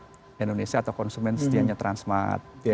bagi masyarakat indonesia atau konsumen setianya transmart